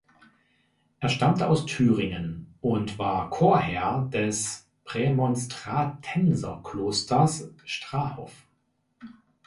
Er stammte aus Thüringen und war Chorherr des Prämonstratenserklosters Strahov.